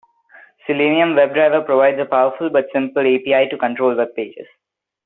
Selenium WebDriver provides a powerful but simple API to control webpages.